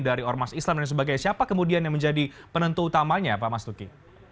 dari ormas islam dan sebagainya siapa kemudian yang menjadi penentu utamanya pak mas duki